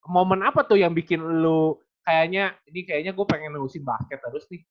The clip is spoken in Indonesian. momen apa tuh yang bikin lo kayaknya ini kayaknya gue pengen lulusin basket terus nih